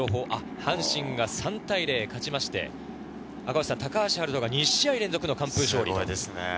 阪神が３対０で勝ちまして高橋遥人が２試合連続完封勝利。